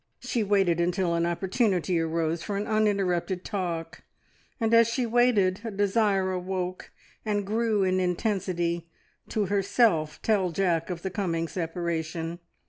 She waited until an opportunity arose for an uninterrupted talk, and as she waited a desire awoke and grew in intensity, to herself tell Jack of the coming separation.